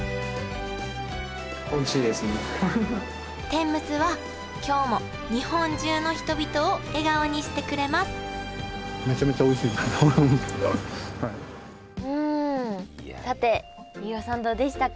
天むすは今日も日本中の人々を笑顔にしてくれますうんさて飯尾さんどうでしたか？